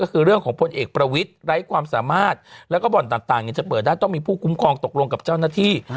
ก็คือเรื่องของพลตำรวจเอกประวิทธิ์